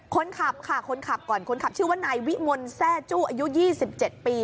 คนขับค่ะคนขับก่อนคนขับชื่อว่านายวิมลแซ่จู้อายุ๒๗ปี